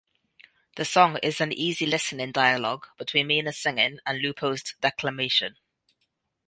The song is an easy listening dialogue between Mina's singing and Lupo's declamation.